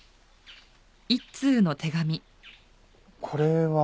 これは？